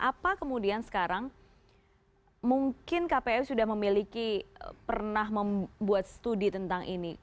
apa kemudian sekarang mungkin kpu sudah memiliki pernah membuat studi tentang ini